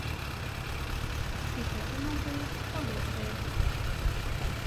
І гэта новае палохае.